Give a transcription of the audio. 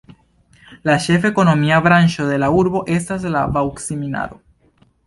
La ĉefa ekonomia branĉo de la urbo estas la baŭksit-minado.